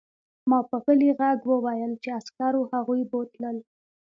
ما په غلي غږ وویل چې عسکرو هغوی بوتلل